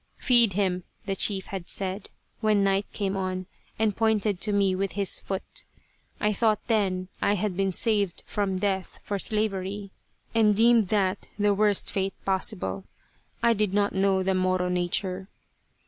"Feed him" the chief had said, when night came on, and pointed to me with his foot. I thought then I had been saved from death for slavery, and deemed that the worst fate possible, I did not know the Moro nature.